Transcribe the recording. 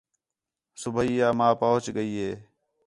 صُبیح آ ماں پُہچ ڳئی ہِے